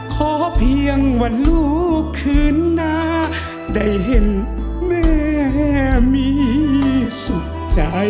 ขอเพียงวันลูกคืนหน้าได้เห็นแม่มีสุขใจ